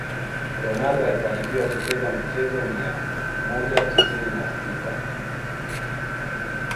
Ronaldo alifanikiwa kucheza michezo mia moja tisini na sita